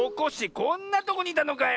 こんなとこにいたのかよ